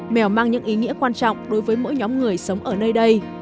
mèo mang những ý nghĩa quan trọng đối với mỗi nhóm người sống ở nơi đây